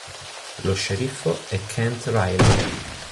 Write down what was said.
Lo sceriffo è Kent Riley.